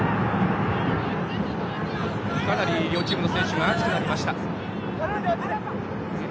かなり両チームの選手が熱くなりました。